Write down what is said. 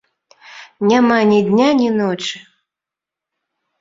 Няма ні дня, ні ночы!